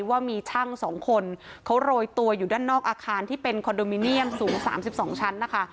ว่ามีช่าง๒คนเขาโรยตัวอยู่ด้านนอกอาคารที่เป็นคอนโดมิเนียมสูง๓๒ชั้นนะคะ